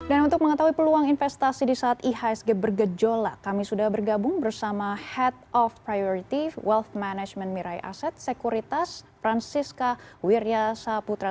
dan untuk mengetahui peluang investasi di saat ihsg bergejolak kami sudah bergabung bersama head of priority wealth management mirai asset sekuritas francisca wiryasa putra